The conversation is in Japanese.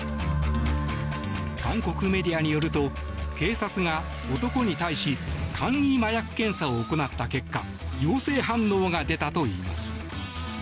韓国メディアによると警察が男に対し簡易麻薬検査を行った結果陽性反応が出たといいます。